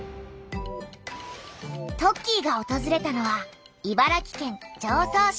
トッキーがおとずれたのは茨城県常総市。